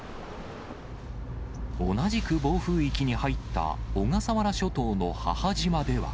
同じく暴風域に入った小笠原諸島の母島では。